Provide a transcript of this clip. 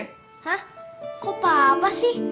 hah kok papa sih